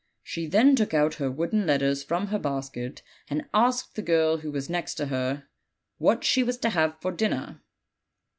She then took out her wooden let ters from her basket, and asked the girl who was next to her what she was to have for dinner.